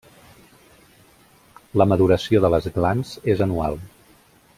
La maduració de les glans és anual.